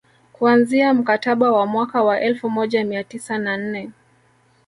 Kuanzia mkataba wa mwaka wa elfu moja mia tisa na nne